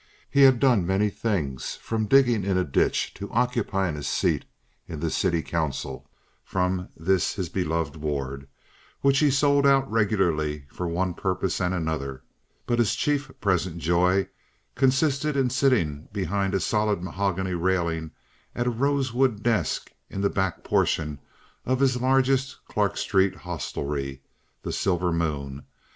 He had done many things from digging in a ditch to occupying a seat in the city council from this his beloved ward, which he sold out regularly for one purpose and another; but his chief present joy consisted in sitting behind a solid mahogany railing at a rosewood desk in the back portion of his largest Clark Street hostelry—"The Silver Moon."